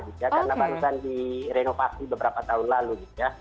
karena barusan direnovasi beberapa tahun lalu